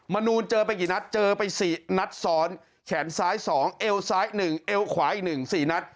นูนเจอไปกี่นัดเจอไป๔นัดซ้อนแขนซ้าย๒เอวซ้าย๑เอวขวาอีก๑๔นัด